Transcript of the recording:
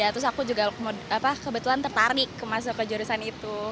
terus aku juga kebetulan tertarik masuk ke jurusan itu